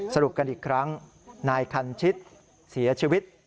สรุปกันอีกครั้งนายคันชิตเสียชีวิต